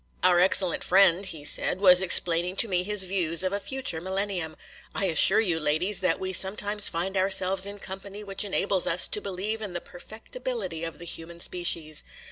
'Our excellent friend,' he said, 'was explaining to me his views of a future Millennium. I assure you, ladies, that we sometimes find ourselves in company which enables us to believe in the perfectibility of the human species.